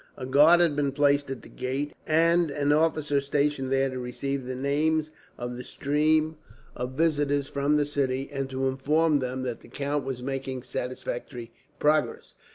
A guard had been placed at the gate, and an officer stationed there to receive the names of the stream of visitors from the city, and to inform them that the count was making satisfactory progress.